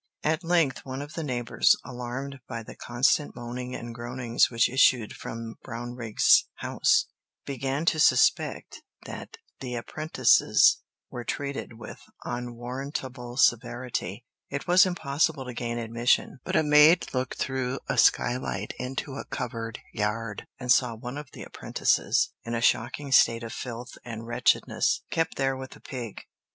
At length one of the neighbours, alarmed by the constant moaning and groanings which issued from Brownrigg's house, began to suspect that "the apprentices were treated with unwarrantable severity." It was impossible to gain admission, but a maid looked through a skylight into a covered yard, and saw one of the apprentices, in a shocking state of filth and wretchedness, kept there with a pig.